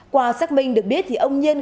qua xác minh được biết thì ông nhiên